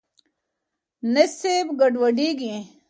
نسب ګډوډېږي.